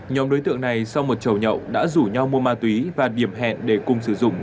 nhóm đối tượng này sau một chậu nhậu đã rủ nhau mua ma túy và điểm hẹn để cùng sử dụng